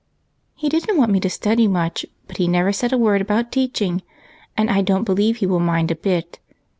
" He did n't want me to study much, but he never said a word about teaching, and I don't believe he will mind a bit.